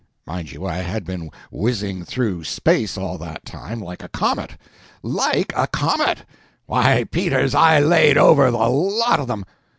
Mind you, had been whizzing through space all that time, like a comet. Like a comet! Why, Peters, I laid over the lot of them!